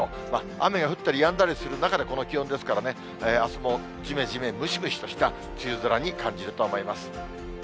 雨が降ったりやんだりする中でこの気温ですからね、あすもじめじめムシムシとした梅雨空に感じると思います。